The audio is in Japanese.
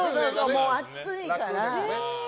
もう暑いから。